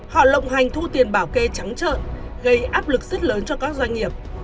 họ lộng hành thu tiền bảo kê trắng trợn gây áp lực rất lớn cho các doanh nghiệp